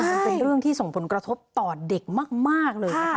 มันเป็นเรื่องที่ส่งผลกระทบต่อเด็กมากเลยนะคะ